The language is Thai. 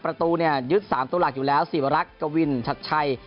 ประตูยึด๓ตัวหลักอยู่แล้วสีบรักกวินชัดชัย